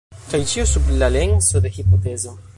Kaj ĉio sub la lenso de hipotezo.